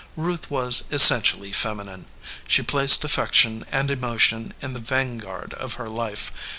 Ruth was essentially feminine. She placed affection and emotion in the vanguard of her life.